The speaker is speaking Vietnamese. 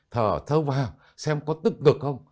thở thơ vào xem có tức ngực không